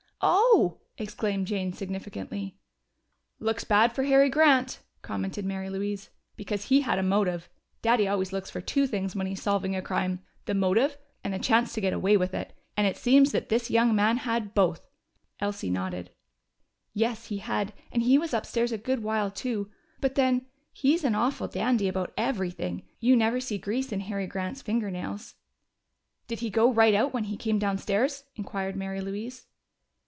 "Oh!" exclaimed Jane significantly. "Looks bad for Harry Grant," commented Mary Louise, "because he had a motive. Daddy always looks for two things when he's solving a crime: the motive, and the chance to get away with it. And it seems that this young man had both." Elsie nodded. "Yes, he had. And he was upstairs a good while, too. But then, he's an awful dandy about everything. You never see grease in Harry Grant's finger nails!" "Did he go right out when he came downstairs?" inquired Mary Louise.